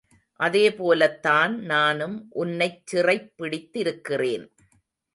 அதே போலத் தான் நானும் உன்னைச் சிறைப்பிடித்திருக்கிறேன்.